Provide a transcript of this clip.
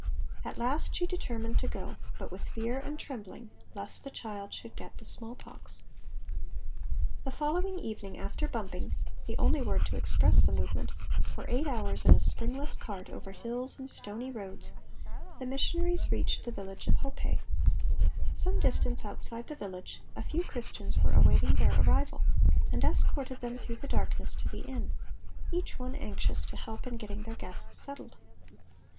At last she determined to go, but with fear and trembling lest the child should get the smallpox. The following evening after bumping (the only word to express the movement) for eight hours in a springless cart over hills and stony roads, the missionaries reached the village of Hopei. Some distance outside the village a few Christians were awaiting their arrival and escorted them through the darkness to the Inn—each one anxious to help in getting their guests settled.